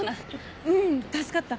ううん助かった。